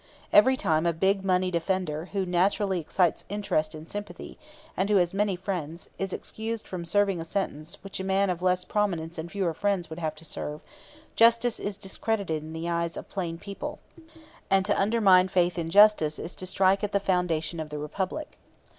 Every time a big moneyed offender, who naturally excites interest and sympathy, and who has many friends, is excused from serving a sentence which a man of less prominence and fewer friends would have to serve, justice is discredited in the eyes of plain people and to undermine faith in justice is to strike at the foundation of the Republic.